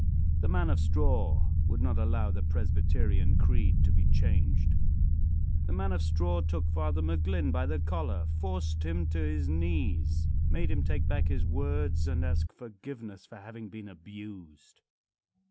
The man of straw would not allow the Presbyterian creed to be changed. The man of straw took Father McGlynn by the collar, forced him to his knees, made him take back his words and ask forgiveness for having been abused.